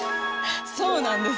そうなんです。